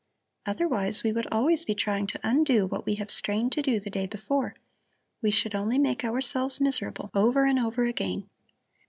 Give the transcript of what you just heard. Otherwise we would always be trying to undo what we have strained to do the day before; we should only make ourselves miserable over and over again.